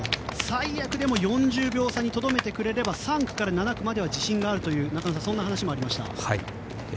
最悪でも４０秒差にとどめてくれれば３区から７区までは自信があるという話もありました。